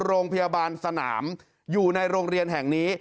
โรงพยาบาลสนามอยู่ในโรงเรียนแห่งนี้